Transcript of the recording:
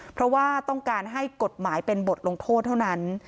เพราะว่าต้องการให้กฎหมายเป็นบทลงโทษเท่านั้น